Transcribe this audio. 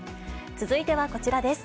続いてはこちらです。